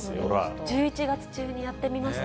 １１月中にやってみました。